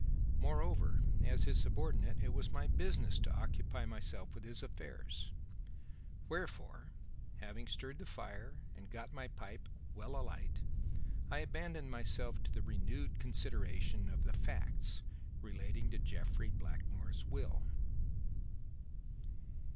Moreover, as his subordinate, it was my business to occupy myself with his affairs. Wherefore, having stirred the fire and got my pipe well alight, I abandoned myself to the renewed consideration of the facts relating to Jeffrey Blackmore's will.